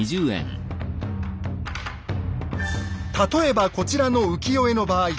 例えばこちらの浮世絵の場合。